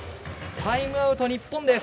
タイムアウト、日本です。